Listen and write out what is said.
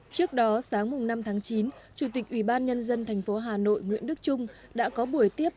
trước đó sáng năm tháng chín chủ tịch ủy ban nhân dân thành phố hà nội nguyễn đức trung đã có buổi tiếp